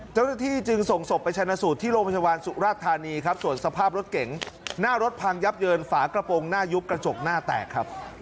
เจ้าหน้าที่จึงส่งศพไปชนะสูตรที่โรงพยาบาลสุราชธานีครับส่วนสภาพรถเก๋งหน้ารถพังยับเยินฝากระโปรงหน้ายุบกระจกหน้าแตกครับ